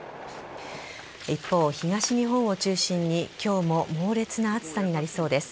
一方、東日本を中心に今日も猛烈な暑さになりそうです。